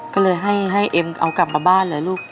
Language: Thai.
ก็เลยให้เอ็มเอากลับมาบ้านเหรอลูก